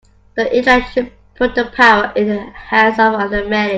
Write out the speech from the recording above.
The Internet should put the power in the hands of the many.